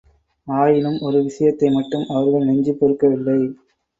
ஆயினும் ஒரு விஷயத்தை மட்டும் அவர்கள் நெஞ்சு பொறுக்கவில்லை.